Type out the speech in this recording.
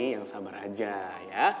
yang sabar aja ya